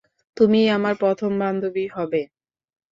তুমিই আমার প্রথম বান্ধবী হবে।